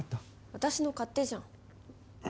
私の勝手じゃん。